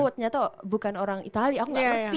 ternyata bukan orang itali aku nggak ngerti